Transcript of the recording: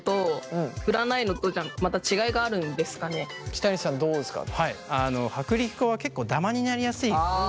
北西さんどうですか？